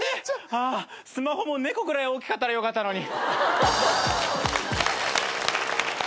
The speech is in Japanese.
あスマホも猫ぐらい大きかったらよかったのに。